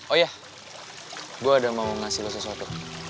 oh iya gue ada mau ngasih lo sesuatu